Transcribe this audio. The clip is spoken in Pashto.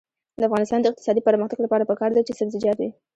د افغانستان د اقتصادي پرمختګ لپاره پکار ده چې سبزیجات وي.